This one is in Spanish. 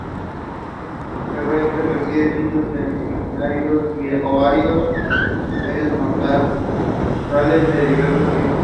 Terrestre, prefiere sitios semiáridos o áridos en lomeríos, matorrales de diversos tipos.